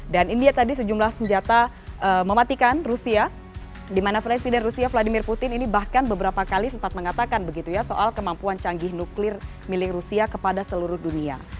dan ini dia tadi sejumlah senjata mematikan rusia di mana presiden rusia vladimir putin ini bahkan beberapa kali sempat mengatakan begitu ya soal kemampuan canggih nuklir milik rusia kepada seluruh dunia